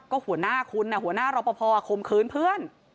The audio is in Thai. ก็หัวหน้าคุณหัวหน้ารอปภคมคืนเพื่อน